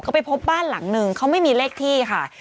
ก็ไปพบบ้านหลังนึงเขาไม่มีเลขที่ค่ะ